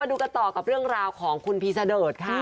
ดูกันต่อกับเรื่องราวของคุณพีซาเดิร์ดค่ะ